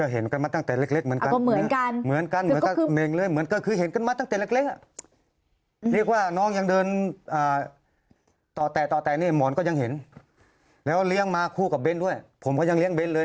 หมอนก็ยังเห็นแล้วเลี้ยงมาคู่กับเบนด้วยผมก็ยังเลี้ยงเบนด้วย